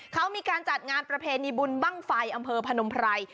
เขามีการจัดงานประเพณีบุญบ้างไฟอำเภอพนมไพร